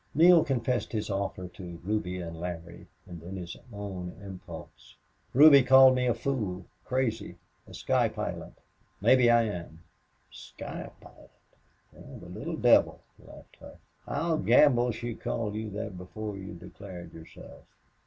Neale confessed his offer to Ruby and Larry, and then his own impulse. "Ruby called me a fool crazy a sky pilot. Maybe I am." "Sky pilot! Well, the little devil!" laughed Hough. "I'll gamble she called you that before you declared yourself."